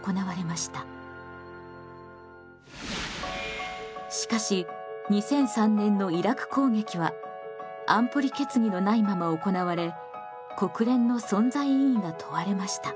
しかし２００３年のイラク攻撃は安保理決議のないまま行われ国連の存在意義が問われました。